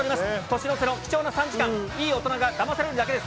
年の瀬の貴重な３時間、いい大人がダマされるだけです。